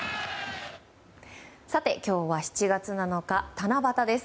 今日は７月７日七夕です。